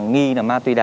nghi là ma tuy đá